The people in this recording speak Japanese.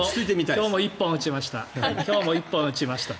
今日も１本打ちました。